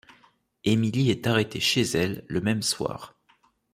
Émilie est arrêtée chez elle, le même soir.